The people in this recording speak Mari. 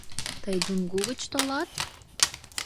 — Тый Дунгу гыч толат?